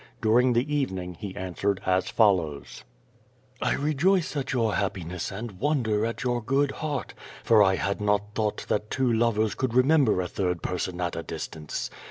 During the evening he answered as follows: 502 Q^O TADT8, I rejoice at your happiness and wonder at your good heart, for 1 liad not thought that two lovers could remember a third person at a distance.